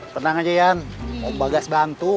tenang aja iyan om bagas bantu